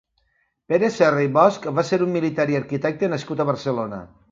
Pere Serra i Bosch va ser un militar i arquitecte nascut a Barcelona.